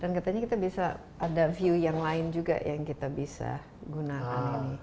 dan katanya kita bisa ada view yang lain juga yang kita bisa gunakan ini